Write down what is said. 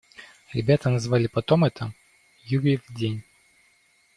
Ребята назвали потом это «Юрьев день».